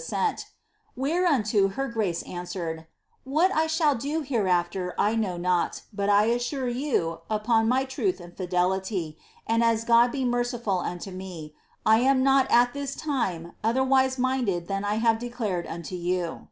assent Whereunto her grace answered, ^ What I shall do heroifter I know not, but I assure you, upon my truth and fidelity, and as God be merciful unto me, 1 am not at this time otherwise minded than I have declared unto you.